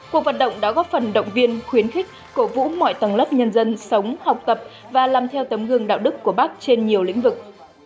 cuộc vận động đã góp phần động viên khuyến khích cổ vũ mọi tầng lớp nhân dân sống học tập và làm theo tấm gương đạo đức của bắc trên nhiều lĩnh vực